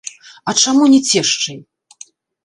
А чаму не цешчай?